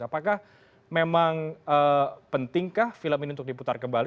apakah memang pentingkah film ini untuk diputar kembali